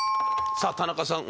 さあ田中さん